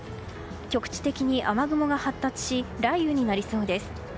局地的に雨雲が発達し雷雨になりそうです。